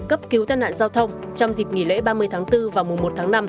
cấp cứu tai nạn giao thông trong dịp nghỉ lễ ba mươi tháng bốn và mùa một tháng năm